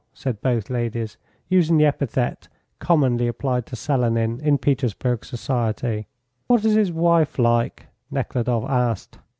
said both ladies, using the epithet commonly applied to Selenin in Petersburg society. "What is his wife like?" Nekhludoff asked.